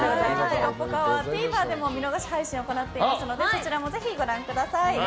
「ぽかぽか」はＴＶｅｒでも見逃し配信を行っていますのでそちらもぜひご覧ください。